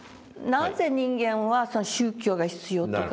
「なぜ人間は宗教が必要とかね